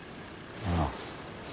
ああ。